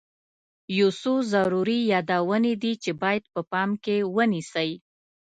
یو څو ضروري یادونې دي چې باید په پام کې ونیسئ.